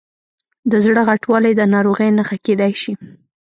د زړه غټوالی د ناروغۍ نښه کېدای شي.